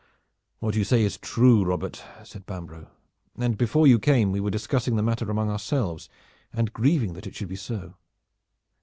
"What you say is true, Robert," said Bambro', "and before you came we were discussing the matter among ourselves and grieving that it should be so.